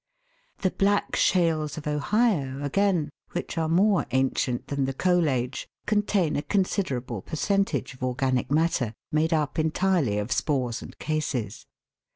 The "black shales" of Ohio, again, which are more ancient than the Coal Age, contain a considerable percent age of organic matter, made up entirely of spores and cases.